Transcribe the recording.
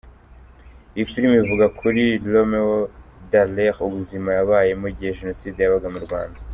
Iyi filime ivuga kuri Romeo Dallaire, ubuzima yabayemo igihe Jenoside yabaga mu Rwanda.